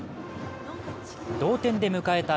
同点で迎えた